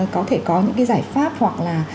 có thể có những cái giải pháp hoặc là